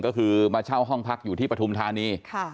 ก็คือมาเช่าห้องพักอยู่ที่ปฐุมธานี